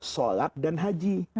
sholat dan haji